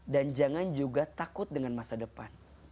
dan jangan juga takut dengan masa depan